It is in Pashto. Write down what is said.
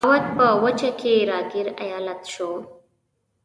اَوَد په وچه کې را ګیر ایالت شو.